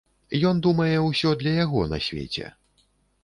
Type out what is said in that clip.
Ён думае, усё для яго на свеце.